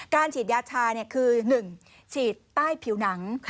ฉีดยาชาคือ๑ฉีดใต้ผิวหนัง